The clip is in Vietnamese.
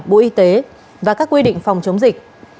bộ y tế và các quy định phòng chống dịch